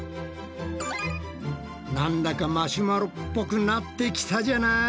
なんだかマシュマロっぽくなってきたじゃない。